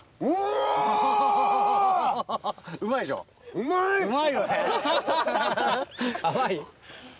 うまい！